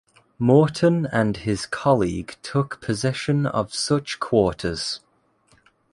Morton and his colleague took possession of such quarters.